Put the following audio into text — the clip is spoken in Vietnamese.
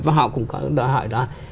và họ cũng có đòi hỏi là